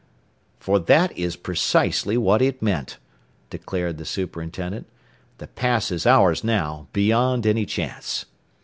"For that is precisely what it meant," declared the superintendent. "The pass is ours now, beyond any chance.